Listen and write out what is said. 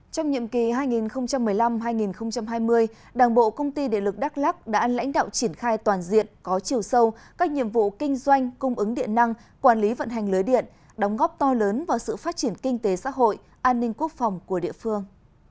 trong nhiệm kỳ hai nghìn một mươi năm hai nghìn hai mươi đảng bộ công ty điện lực đắk lắc đã lãnh đạo triển khai toàn diện có chiều sâu các nhiệm vụ kinh doanh cung ứng điện năng quản lý vận hành lưới điện đóng góp to lớn vào sự phát triển kinh tế xã hội an ninh quốc phòng của địa phương